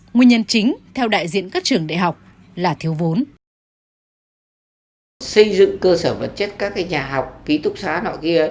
nguyên nhân chính theo đại diện các trường đại học là thiếu vốn